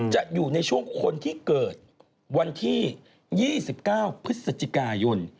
จะอยู่ในช่วงคนที่เกิดวันที่๒๙พฤศจิกายน